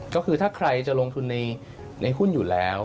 ก็คือถ้าใครจะลงทุนในหุ้นอยู่แล้ว